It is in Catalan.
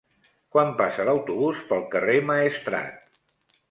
Quan passa l'autobús pel carrer Maestrat?